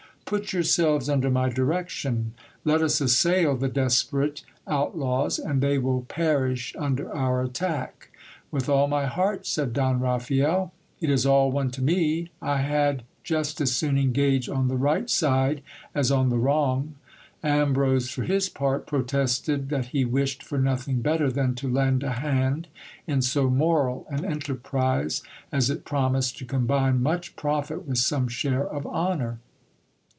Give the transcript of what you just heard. Put yourselves under my direction : let us assail the desperate out laws, and they will perish under our attack. With all my heart, said Don Ra phael. It is all one to me, I had just as soon engage on the right side as on the wrong. Ambrose, for his part, protested that he wished for nothing better than to lend a hand in so moral an enterprise, as it promised to combine much profit with some share of honour.